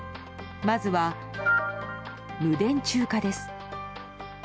まずは無電柱化です。